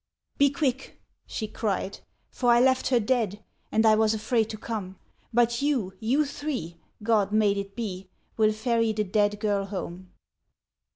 " Be quick !" she cried, " for I left her dead — And I was afraid to come ; But you, you three — God made it be — Will ferry the dead girl home.